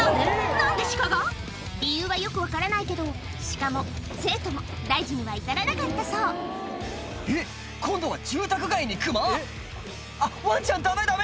何でシカが⁉理由はよく分からないけどシカも生徒も大事には至らなかったそうえっ今度は住宅街にクマ⁉あっワンちゃんダメダメ！